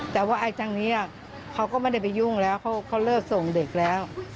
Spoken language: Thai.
แต่ว่าไอ้ทางนี้เขาก็ไม่ได้ไปยุ่งแล้วเขาเลิกส่งเด็กแล้ว